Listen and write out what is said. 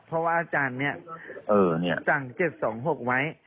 เพราะว่าอาจารย์เนี่ยสั่ง๗๒๖ไว้